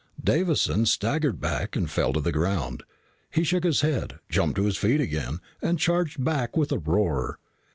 Davison staggered back and fell to the ground. He shook his head, jumped to his feet again, and charged back with a roar.